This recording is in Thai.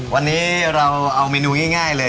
วันนี้เราเอาเมนูง่ายเลย